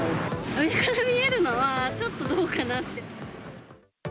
上から見えるのは、ちょっとどうかなって。